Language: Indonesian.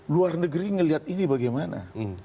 luar negeri melihat ini bagaimana